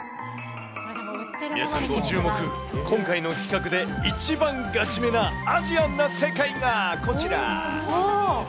皆さん、ご注目、今回の企画で一番ガチめなアジアンな世界がこちら。